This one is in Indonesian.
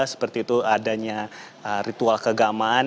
yaitu adanya ritual keagamaan